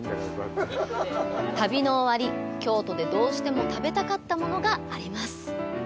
旅の終わり、京都でどうしても食べたかったものがあります。